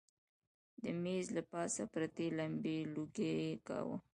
د مېز له پاسه پرتې لمبې لوګی کاوه.